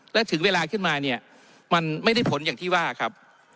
และถึงเวลาขึ้นมาเนี่ยมันไม่ได้ผลอย่างที่ว่าครับ